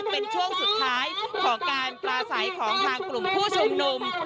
เป็นช่วงสุดท้ายของการปลาใสของทางกลุ่มผู้ชุมนุม